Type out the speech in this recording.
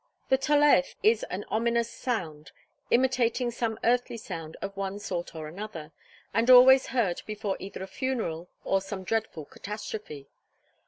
I. The Tolaeth is an ominous sound, imitating some earthly sound of one sort or another, and always heard before either a funeral or some dreadful catastrophe.